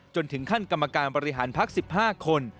จนถึงขั้นกรรมการบริหารพัก๑๕คน